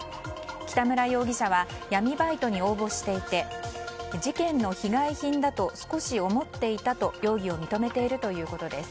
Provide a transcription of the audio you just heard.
北村容疑者は闇バイトに応募していて事件の被害品だと少し思っていたと容疑を認めているということです。